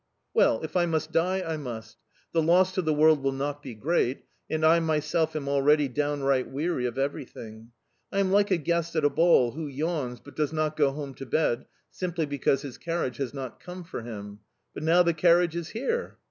Well? If I must die, I must! The loss to the world will not be great; and I myself am already downright weary of everything. I am like a guest at a ball, who yawns but does not go home to bed, simply because his carriage has not come for him. But now the carriage is here...